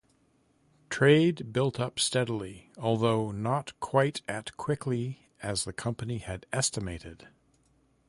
Trade built up steadily, although not quite at quickly as the company had estimated.